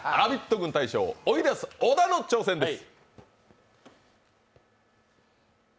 軍大将おいでやす小田の挑戦です。！